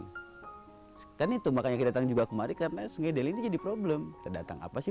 hai kan itu makanya datang juga kemari karena senggel ini jadi problem terdatang apa sih